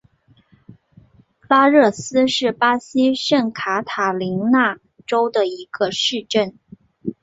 拉热斯是巴西圣卡塔琳娜州的一个市镇。